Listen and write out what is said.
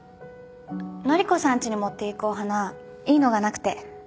乃里子さんちに持っていくお花いいのがなくて。